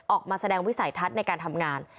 ออกมาแสดงวิสัยทัศน์ในการทำงาน